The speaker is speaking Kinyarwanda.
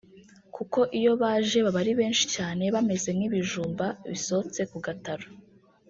kuko iyo baje baba ari benshi cyane bameze nk’ibijumba bisotse ku gataro